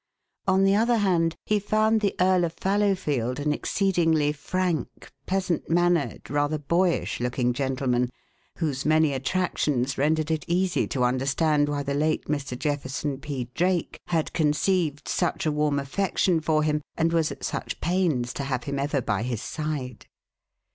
On the other hand, he found the Earl of Fallowfield an exceedingly frank, pleasant mannered, rather boyish looking gentleman, whose many attractions rendered it easy to understand why the late Mr. Jefferson P. Drake had conceived such a warm affection for him, and was at such pains to have him ever by his side.